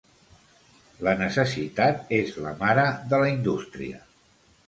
La necessitat és la mare de la indústria.